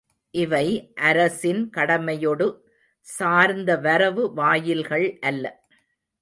இவை அரசின் கடமையொடு சார்ந்த வரவு வாயில்கள் அல்ல.